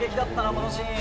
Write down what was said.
このシーン。